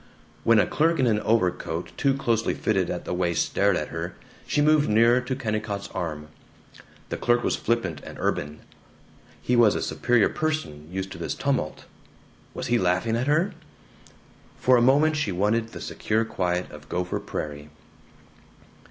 When a clerk in an overcoat too closely fitted at the waist stared at her, she moved nearer to Kennicott's arm. The clerk was flippant and urban. He was a superior person, used to this tumult. Was he laughing at her? For a moment she wanted the secure quiet of Gopher Prairie.